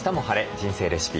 人生レシピ」。